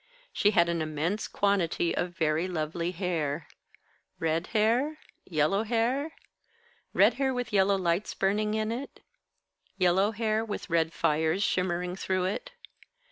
She had an immense quantity of very lovely hair. Red hair? Yellow hair? Red hair with yellow lights burning in it? Yellow hair with red fires shimmering through it?